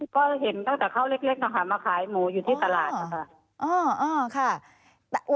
ก็เห็นตั้งแต่เขาเล็กนะคะมาขายหมูอยู่ที่ตลาดนะคะ